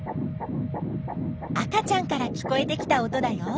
赤ちゃんから聞こえてきた音だよ。